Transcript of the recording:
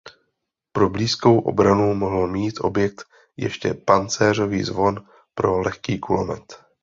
Pro blízkou obranu mohl mít objekt ještě pancéřový zvon pro lehký kulomet.